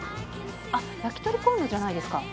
あっ焼鳥コンロじゃないですか。